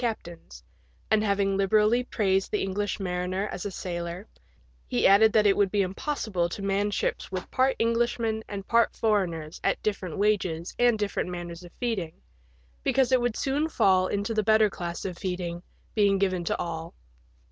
captains, and having liberally praised the English mariner as a sailor, he added that it would be impossible to man ships with part Englishmen and part foreigners at different wages and different manners of feeding, because it would soon fall into the better class of feeding being given to all.